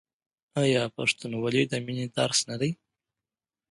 آیا پښتونولي د مینې درس نه دی؟